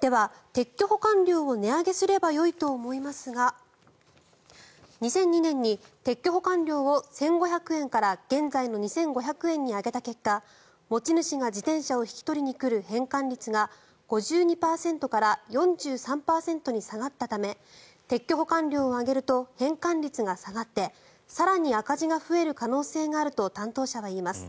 では、撤去保管料を値上げすればよいと思いますが２００２年に撤去保管料を１５００円から現在の２５００円に上げた結果持ち主が自転車を引き取りに来る返還率が５２％から４３％に下がったため撤去保管料を上げると返還率が下がって更に赤字が増える可能性があると担当者はいいます。